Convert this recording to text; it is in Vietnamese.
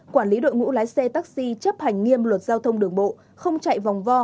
quản lý đội ngũ lái xe taxi chấp hành nghiêm luật giao thông đường bộ không chạy vòng vo